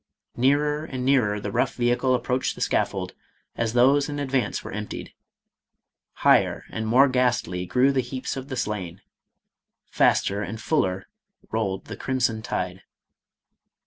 Nearer and nearer the rough ve hicle approached the scaffold, as those in advance were emptied ; higher and more ghastly grew the heaps of the slain ; faster and fuller rolled the crimson tide.